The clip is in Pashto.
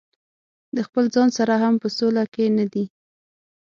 د خپل ځان سره هم په سوله کې نه دي.